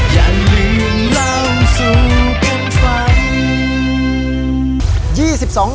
อย่าลืมเล่าสู้เป็นฝัน